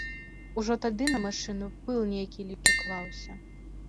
Ужо тады на машыну пыл нейкі ліпкі клаўся.